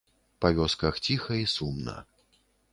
Па вёсках ціха і сумна.